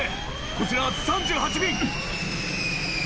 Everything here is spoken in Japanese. こちら３８便！